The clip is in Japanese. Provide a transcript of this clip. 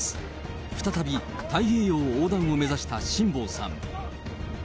再び、太平洋横断を目指した辛坊さん。